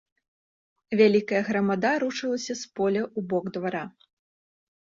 Вялікая грамада рушылася з поля ў бок двара.